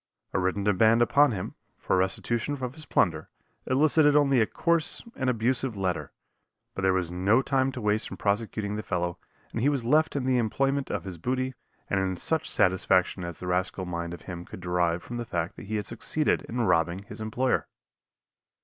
A written demand upon him, for restitution of his plunder, elicited only a coarse and abusive letter, but there was no time to waste in prosecuting the fellow and he was left in the enjoyment of his booty and in such satisfaction as the rascal mind of him could derive from the fact that he had succeeded in robbing his employer.